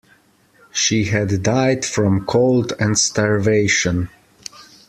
She had died from cold and starvation.